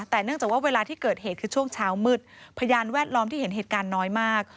แต่เนื่องจากว่าเวลาที่เกิดเหตุคือช่วงเช้ามืดพยานแวดล้อมที่เห็นเหตุการณ์น้อยมาก